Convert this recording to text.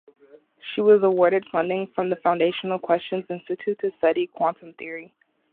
She was awarded funding from the Foundational Questions Institute to study quantum theory.